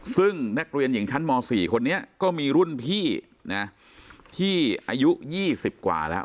ซึ่งนักเรียนหญิงชั้นม๔คนนี้ก็มีรุ่นพี่นะที่อายุ๒๐กว่าแล้ว